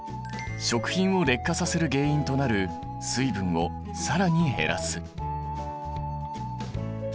食品を劣化させる原因となる水分を更に減らす。